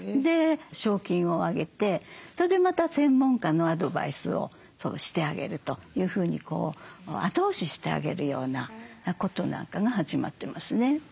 賞金をあげてそれでまた専門家のアドバイスをしてあげるというふうに後押ししてあげるようなことなんかが始まってますね。